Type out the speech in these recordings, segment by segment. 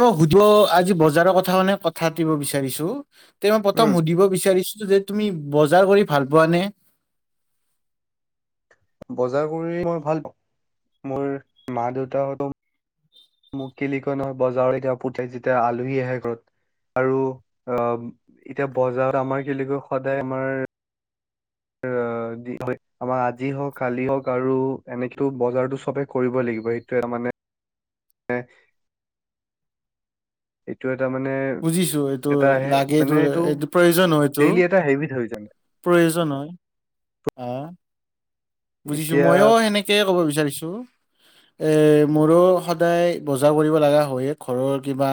মই সুধো আজি বজাৰৰ কথা মানে কথা পাতিব বিচাৰিছো তেওঁ উম, প্ৰথম সুধিব বিচাৰিছো যে তুমি বজাৰ কৰি ভাল পোৱা নে? বজাৰ কৰি মই ভাল পাওঁ মোৰ মা দেউতাহত মোক কি বুলি কয় বজাৰত যেতিয়া পঠাই যেতিয়া আলহী আহে ঘৰত। আৰু অ' এতিয়া বজাৰত আমাৰ কি বুলি সদায় আমাৰ অ' হয় আমাৰ আজি হওক কালি হওক আৰু এনেকোতো বজাৰতো চবে কৰিব লাগিব। সেইটোৱেই মানে এইটো এটা মানে বুজিছো এইটো এটা হে মানে লাগেটো এইটো প্ৰয়োজন হয় এইটো। ডেইলি এটা হেবিট হৈ যায় প্ৰয়োজন হয়। অ' বুজিছোঁ এতিয়া মইয়ো সেনেকেই ক'ব বিচাৰিছো। এই মোৰো সদায় বজাৰ কৰিব লগা হয়ে ঘৰৰ কিবা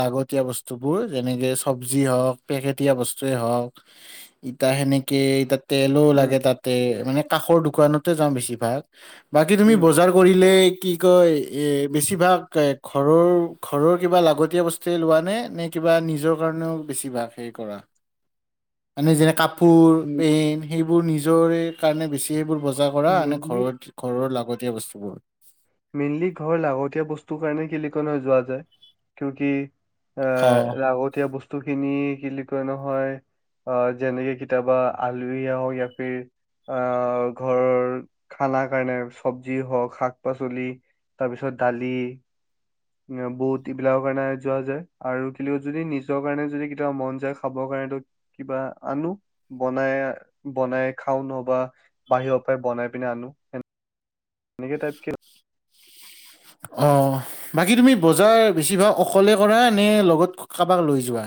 লাগতিয়াল বস্তু। বস্তুবোৰ যেনেকে চব্জি হওক পেকেটীয়া বস্তুৱেই হওক। ইতা সেনেকে এই তাত তেলো উম, লাগে তাতে মানে কাষৰ দোকানতে যাওঁ বেছিভাগ বাকী তুমি উম, বজাৰ কৰিলে কি কয় এ বেছিভাগৰৰ ঘৰৰ কিবা লাগতিয়াল বস্তু তে লোৱানে নে কিবা নিজৰ কাৰণে বেছিভাগ হেৰি কৰা মানে যেনে কাপোৰ কপোৰ, পেইন সেইবোৰ নিজৰে কাৰণে বেছি সেইবোৰ বজাৰ কৰা নে মেইনলি ঘৰত ঘৰৰ লাগতিয়াল বস্তুবোৰ। মেইনলি ঘৰ লাগতিয় বস্তুৰ কাৰণে [unintelligible] যোৱা যায় কিউ কি এ অ লাগতিয় বস্তু খিনি [unintelligible] নহয় অ যেনেকে কেতিয়াবা আলহী আহক ইয়া ফিৰ অ' ঘৰৰ খানা কাৰণে চব্জি হওঁক শাক শাক-পাচলি তাৰপিছত দালি বুত এইবিলাকৰ কাৰণে যোৱা যায়, আৰু কিন্ত যদি নিজৰ কাৰণে যদি কেতিয়াবা মন যায় খাব কাৰণেতো কিবা আনো, বনাই বনাই খাওঁ নহবা বাহিৰৰ পৰাই বনাই পিনে আনো। এনেকে টাইপ অ। বাকী তুমি বজাৰ বেছিভাগ অকলে কৰা নে লগত কাৰোবাক লৈ যোৱা।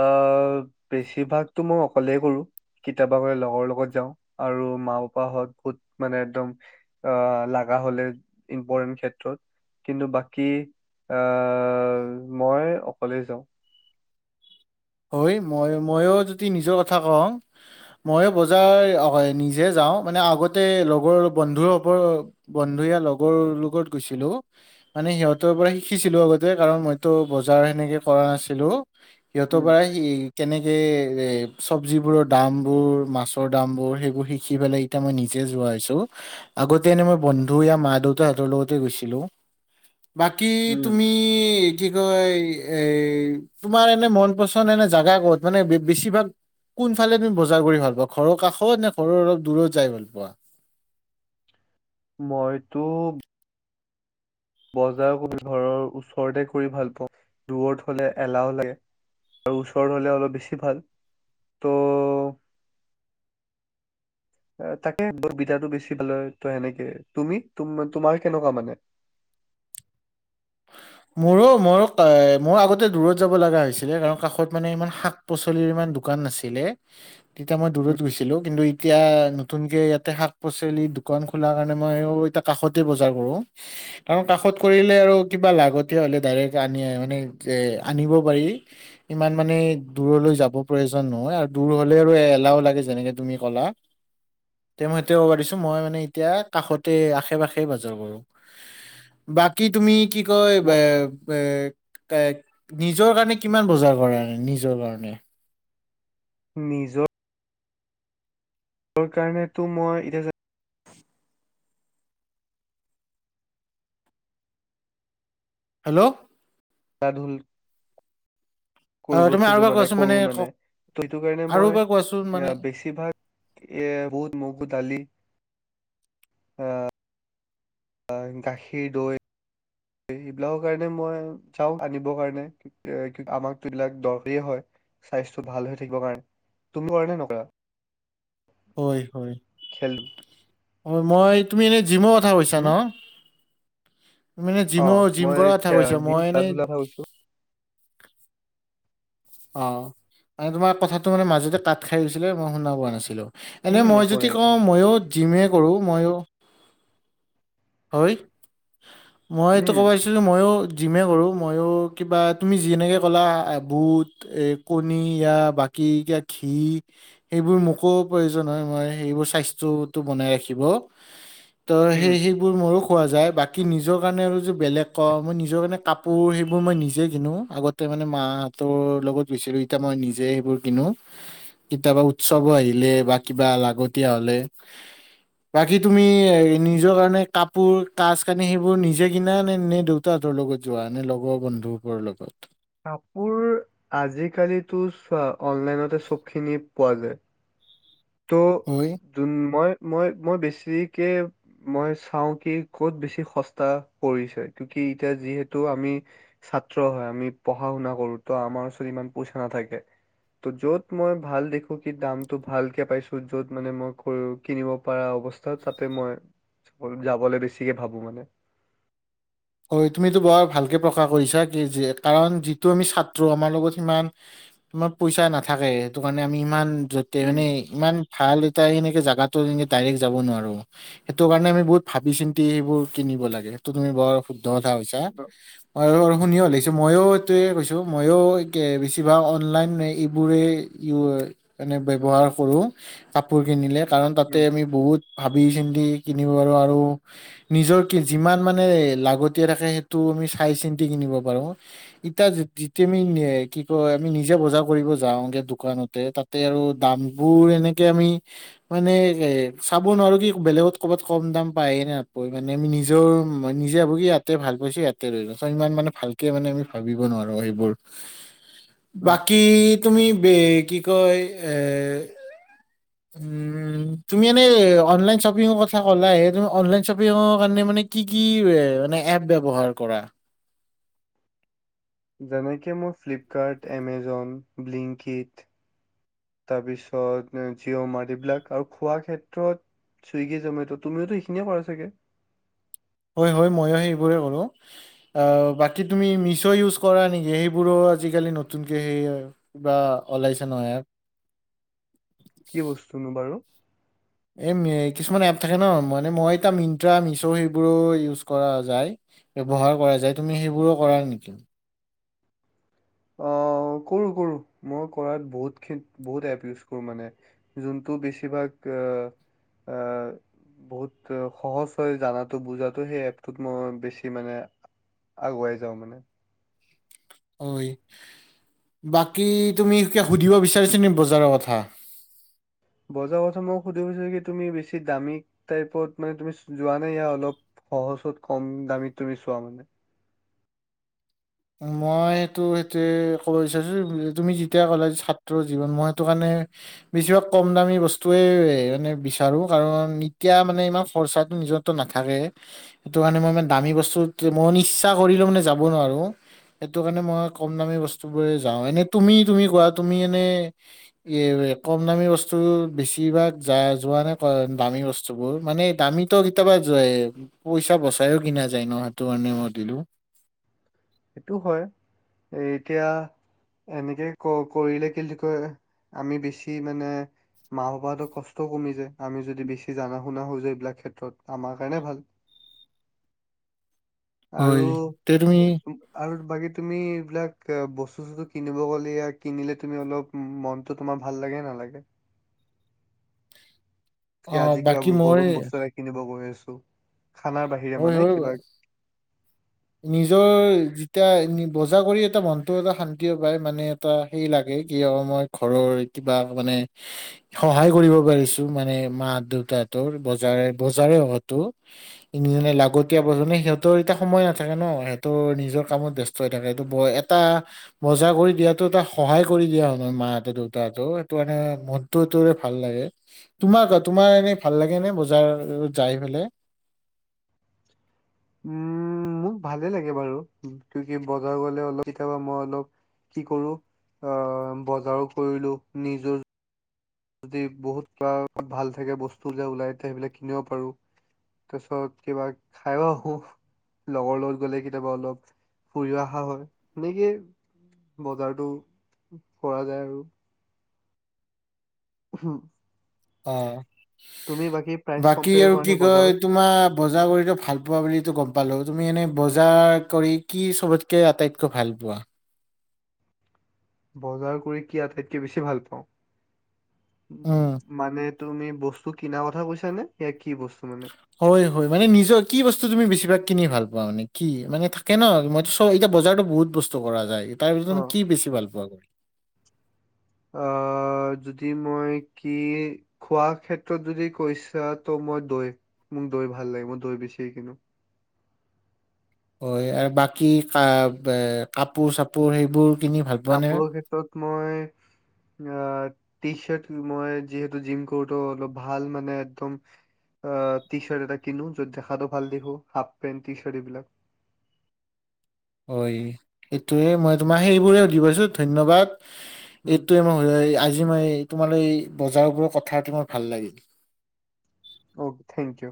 অ' বেছিভাগতো মই অকলেই কৰো। কেতিয়াবা বাৰু লগৰ লগত যাওঁ আৰু মা পাপা হত বহুত মানে একদম অ লাগা হ'লে ইম্পৰ্টেণ ক্ষেত্ৰত কিন্তু বাকী আহ মই অকলেই যাওঁ। হয়, মই ময়ো যদি নিজৰ কথা কওঁ মইয়ো বজাৰ নিজে যাওঁ মানে আগতে লগৰ বন্ধুৰ হবৰ বন্ধু ইয়া লগৰ লগত গৈছিলো। মানে সিহঁতৰ পৰা শিকিছিলো আগতে কাৰণ মইতো বজাৰ সেনেকে কৰা নাছিলো। [inaudible] উম কেনেকে এ চবজিবোৰৰ দামবোৰ মাছৰ দাম বোৰ সেইবোৰ শিকি পেলাই এতিয়া মই নিজে যোৱা হৈছো। আগতে এনেই মই বন্ধু য়া মা দেউতাহঁতৰ লগতে গৈছিলো। বাকী উম তুমি কি কয়, এ তোমাৰ এনে মন মন পছন্দৰ এনে জাগা ক'ত? মানে বেছিভাগ কোনফালে তুমি বজাৰ কৰি ভাল পোৱা? ঘৰৰ কাষত নে ঘৰৰ অলপ দূৰত যাই ভাল পোৱা? মইতো বজাৰ কৰি ঘৰৰ ওচৰতে কৰি ভাল পাওঁ, দূৰত হ'লে এলাহ লাগে। আৰু ওচৰত হ'লে অলপ বেছি ভাল। ত তাকে ব বিধাটো বেছি পালে ত' সেনেকে, তুমি তোমাৰ কেনেকুৱা মানে? মোৰো মোৰো এই মোৰ আগতে দূৰত যাব লগা হৈছিলে কাৰণ কাষত মানে ইমান শাক পাচলিৰ ইমান দোকান নাছিলে। তেতিয়া মই উম, দূৰত গৈছিলো, কিন্তু এতিয়া নতুনকে ইয়াতে শাক-পাচলি দোকান খোলাৰ কাৰণে মই এতিয়া কাষতে বজাৰ কৰো, কাৰণ কাষত কৰিলে আৰু কিবা লাগতি হ'লে ডাইৰেক্ট আনি মানে আনিব পাৰি। ইমান মানে দূৰলৈ যাব প্ৰয়োজন নহয় আৰু দূৰ হ'লে আৰু এলাহও লাগে যেনেকে তুমি ক'লা। [unintelligible] মই মানে এতিয়া কাষতে আশে পাশে বাজাৰ কৰো। বাকী তুমি কি কয় ম ব-ব-ক নিজৰ কাৰণে কিমান বজাৰ কৰা, নিজৰ কাৰণে? নিজৰ কাৰণ তো মই এতিয়া হেল্ল! [inaudible] [inaudible] কৰিব তুমি আৰু খোজো এবাৰ মানে কোৱাচোন কৰো ক মানে, ত' সেইটো কাৰণে আৰু মই, এবাৰ কোৱাচোন মানে বেছিভাগ এ বহুত মগু দালি, আ গাখীৰ, দৈ, এইবিলাকৰ কাৰণে মই যাওঁ আনিব কাৰনে। এ কি আমাটো এইবিলাক দৰকাৰে হয়, স্বাস্থ্য ভাল হৈ থাকিব কাৰণে, তুমি আৰু নে নকৰা? হয়, হয়, খেল মই তুমি এনেই জিমৰ কথা কৈছা হম ন'? তুমি এনে জিমৰ অ', জিম মই কৰাৰ কথা কৈছা জিম মই এনে খেল-ধূলা কথা কৈছোঁ। অ', মানে তোমাৰ কথাটো মানে মাজতে কাত খাই গৈছিল মই শুনা পোৱা নাছিলো। এনে উম মই একো যদি নাই একো কওঁ নাই ময়ো জিমে কৰো ময়ো, হয়, মই এইটো উম ক'ব ময়ো জিমে কৰোঁ, ময়ো কিবা তুমি জিনেকে ক'লা বুট এ, কণী, বাকী ঘিঁ সেইবোৰ মোকো প্ৰয়োজন হয়, মই মোৰ স্বাস্থ্যটো বনাই ৰাখিব। ত'সে উম সি সেইবোৰ মোৰো খোৱা যায়, বাকী নিজৰ কাৰণে আৰু যে বেলেগ ক, মই নিজৰ কাৰণে কাপোৰ সেইবোৰ মই নিজে কিনো আগত তে মানে মাহঁতৰ লগত গৈছিলো, এতিয়া মই নিজে গৈ কিনো। কেতিয়াবা উৎসৱো আহিলে, বা কিবা লাগতিয়া হ'লে। বাকী তুমি এ, নিজৰ কাৰণে কাপোৰ, কাজ-কানি সেইবোৰ নিজে কিনা নে নে দেউতাহতৰ লগত যোৱা নে লগৰ বন্ধুবোৰৰ লগত? কাপোৰ আজি কালিতো চোৱা অনলাইনতে চব খিনি পোৱা যায়। তো হয়। যোন মই মই মই বেছিকে মই চাই কি ক'ত বেছি সস্তা পৰিছে কিও কি এতিয়া যিহেতু আমি ছাত্ৰ হয়, আমি পঢ়া-শুনা কৰো তো আমাৰ ওচৰত ইমান পইচা নাথাকে। তো য'ত মই ভাল দেখো কি দামটো ভাল কে পাইছো য'ত মানে মই কিনিব পৰা অৱস্থা তাতে মই যাবলৈ বেছিকে ভাবো মানে। অ', তুমিতো বোৰ ভালকে প্ৰকাশ কৰিছা কি জীয়ে কাৰণ যিটো আমি ছাত্ৰ আমাৰ লগত সিমান তোমাৰ পইচা নাথাকে সেইটো কাৰণে আমি ইমান য'তে উম মানে ইমান ভাল এটা সেনেকে জাগাতো এনে ডাইৰেক্ট যাব নোৱাৰো। সেইটো কাৰণে আমি বহুত ভাবি-চিন্তি সেইবোৰ কিনিব লাগে সেইটো তুমি বৰ শুদ্ধ কথা কৈছা। অ, মই শুনিয়ে লাগিছো ময়ো এইটোৱে কৈছোঁ ময়ো বেছিভাগ অনলাইন এইবোৰেই এই মানে ব্যৱহাৰ কৰো কাপোৰ কিনিলে কাৰণ তাতে উম আমি বহুত ভাবি চিন্তি কিনিব পাৰো আৰু নিজৰ কি যিমান মানে ল গতিয়া থাকে সেইটো আমি চাই চিন্তি কিনিব পাৰোঁ। ইতিয়া, যেতিয়া আমি কি কয় আমি নিজে বজাৰ কৰিব যাওঁ দোকানতে তাত তাতে আৰু দামবোৰ এনেকে আমি মানে এ চাব নোৱাৰোঁ কি বেলেগত ক'বাত কম দাম পায়ে নে নাপায় মানে আমি নিজৰ ম নিজে ইয়াতে ভাল পাইছে ইয়াতে লৈ লওঁ চ' ইমান মানে ভালকে মানে আমি ভাবিব নোৱাৰোঁ সেইবোৰ। উম বাকী তুমি কি কয় এ উম, তুমি এনে অনলাইন শ্বপিঙৰ কথা ক'লায়ে তুমি অনলাইন শ্বপিঙৰ কাৰণে মানে কি কি এ মানে এপ ব্যৱহাৰ কৰা? যেনেকে মই ফিলিপ কাৰ্ট, এমেজন, ব্লিংকট তাৰপিছত জিঅ মাৰ্ক্স এইবিলাক আৰু খোৱা ক্ষেত্ৰত চুইগী জমেটো' তুমিওতো এইখিনিয়ে কৰা চাগৈ? হয় হয় মইয়ো সেইবোৰে কৰো। আ বাকী তুমি মিছ' ইউজ কৰা নেকি সেইবোৰো আজিকালি নতুনকৈ সেই কিবা ওলাইছে নহয় ইয়াত। কি বস্তুনো বাৰু? এই কিছুমান এপ থাকে ন, মানে মই মিণ্ট্ৰা মিছ' সেইবোৰো ইউজ কৰা যায়। ব্যৱহাৰ কৰা যায়, তুমি সেইবোৰো কৰা নেকি? অ কৰো কৰো কৰাত বহুত খিন বহুত এপ ইউজ কৰো মানে। যোনটো বেছিভাগ আহ' আহ'। বহুত সহজ হয় জানাতো বুজাতো সেই এপটোত মই বেছি মানে আগুৱাই যাওঁ মানে। হয়। বাকী তুমি কিবা সুধিব বিচাৰিছ নিকি বজাৰৰ কথা? বজাৰ কথা মই সুধিব বিচাৰিছো কি তুমি বেছি দামী টাইপত মানে তুমি যোৱা নে এ অলপ সহজত কম দামীত তুমি চোৱা মানে? মই সেইটো সেইটোৱে ক'ব বিচাৰিছো তুমি যেতিয়া কলা ছাত্ৰ জীৱন মই সেইটো কাৰণে বেছিভাগ কম দামী বস্তুয়ে মানে বিচাৰো। কাৰণ এতিয়া মানে ইমান খৰচাটো নিজত নাথাকে। সেইটো কাৰণে মই ই দামী বস্তু মই ইচ্ছা কৰিলেও মানে যাব নোৱাৰো। সেইটো কাৰণে কম দামী বস্তু বোৰে যাওঁ। এনে তুমি, তুমি কোৱা এনে এই কম দামী বস্তু বেছিভাগ যা, যোৱা নে দামী বস্তুবোৰ মানে দামী ত' কেতিয়াবা য পইচা বচাইও কিনা যায় ন সেইটো কাৰণে মই সুধিলো। সেইটো হয় এ এতিয়া এনেকে ক কৰিলে কি কয় আমি বেছি মানে মা পাপাহঁতৰ কষ্টও কমি যায় আমি যদি বেছি জাননা শুনা হৈ যাও এইবিলাক ক্ষেত্ৰত আমাৰ কাৰণে ভাল। [inaudible] আৰু হয় এতিয়া তুমি আৰু বাকী তুমি এইবিলাক বস্তু চস্তু কিনিব গ'লে য়া কিনিলে তুমি অলপ মনটো তোমাৰ ভাল লাগে নালাগে? অ এতিয়া, আজি কিবা বাকী মই নতুন বস্তু এটা কিনিব গৈ আছো, খানাৰ বাহিৰে হয় মানে কিবা। হয় নিজৰ যেতিয়া বজাৰ কৰি এটা মনটো এটা শান্তি পায় মানে এটা হে লাগে কি অ' মই ঘৰৰ কিবা মানে সহায় কৰিব পাৰিছো মানে মা দেউতাহঁতৰ বজাৰে বজাৰে হয়তো। কিনি আনি লাগতিয়াল বস্তু সিহঁতৰ এতিয়া সময়ত থাকে ন, সেইটো নিজৰ কামত ব্যস্ত হৈ থাকে এইটো ব এটা বজা কৰি দিয়াতো এটা সহায় কৰি দিয়া হয় মই মাহঁতৰ দেউতাহঁতক সেইটো কাৰণে মন টোৰে ভাল লাগে তোমাক তোমাৰ এনে ভাল লাগে নে বজাৰ যাই পেলাই? উম মোক ভালে লাগে বাৰু, কেলেকি বজাৰ গলে অলপ কেতিয়াবা মই অলপ কি কৰো অ বজাৰো কৰিলো নিজৰ যদি বহুত ভাল থাকে বস্তু ওলাই থাকে তেতিয়া সেইবিলাক কিনিব পাৰো। তাৰপিছত কিবা খাইও আহো। লগৰ লগত গ'লে কেতিয়াবা অলপ ফুৰি অহা হয় সেনেকে বজাৰতো কৰা যায় আৰু। [inaudible] অ তুমি বাকী প্ৰাইচ বাকী কম্পেয়াৰ আৰু কৰা নে কি কয় বজাৰত তোমাৰ বজাৰ কৰিতো ভাল পোৱা বুলিতো গম পালোঁ, তুমি এনেই বজাৰ কৰি কি চবতকৈ আটাইতকৈ ভাল পোৱা? বজাৰ কৰি কি আটাইতকে বেছি ভাল পাওঁ? উম। মানে তুমি বস্তু কিনাৰ কথা কৈছা নে? [unintelligible] কি বচ [unintelligible] হয় হয়, মানে নিজৰ কি বস্তু তুমি বেছিভাগ কিনি ভাল পোৱা? মানে কি? মানে থাকে ন, মই চ এতিয়া বজাৰতো বহুত বস্তু কৰা যায়, তাৰ অ ভিতৰত কি বেছি ভাল পোৱা কৰি? আহ, যদি মই কি খোৱা ক্ষেত্ৰত যদি কৈছা, ত' মই দৈ, মোক দৈ ভাল লাগে, মই দৈ বেছিকে কিনো। হয় আৰু বাকী কা-কাপোৰ চাপোৰ সেইবোৰ কিনি ভাল পোৱা নে কাপোৰৰ ক্ষেত্ৰত মই অ', টি চাৰ্ট, মই যিহেতু জিম কৰো, ত' অলপ ভাল মানে একদম অ', টি চাৰ্ট এটা কিনো, য'ত দেখাটো ভাল দেখো, হাফ পেণ্ট, টি চাৰ্ট এইবিলাক। হয়, সেইটোৱেই, মই তোমাক সেইবোৰে সুধি পাইছোঁ, ধন্যবাদ। এইটোৱেই মই, আজি মই, তোমাৰ এই বজাৰবোৰৰ কথাতো মোৰ ভাল লাগিল। অহ, থেংক ইউ।